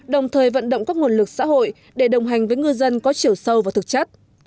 đồng thời vận động các nguồn lực xã hội để đồng hành với ngư dân có chiều sâu và thực chất